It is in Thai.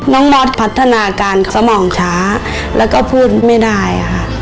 มอสพัฒนาการสมองช้าแล้วก็พูดไม่ได้ค่ะ